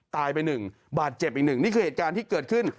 ตายไปหนึ่งบาดเจ็บอีกหนึ่งนี่คือเหตุการณ์ที่เกิดขึ้น